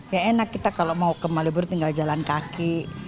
ya enak kita kalau mau ke malioburu tinggal jalan kaki